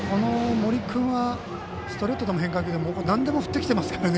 森君はストレートでも変化球でもなんでも振ってきてますかね。